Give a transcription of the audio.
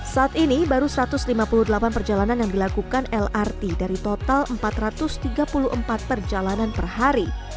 saat ini baru satu ratus lima puluh delapan perjalanan yang dilakukan lrt dari total empat ratus tiga puluh empat perjalanan per hari